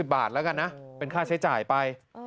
บาทแล้วกันนะเป็นค่าใช้จ่ายไป